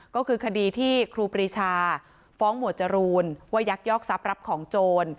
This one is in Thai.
ก็คือคดีที่ครูปรีชาฟ้องหมวดจรูนว่ายักยอกทรัพย์รับของโจร